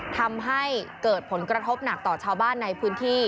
ทำให้เกิดผลกระทบหนักต่อชาวบ้านในพื้นที่